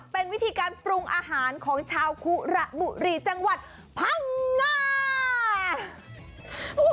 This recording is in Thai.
เป็นวิธีการปรุงอาหารของชาวคุระบุรีจังหวัดพังงา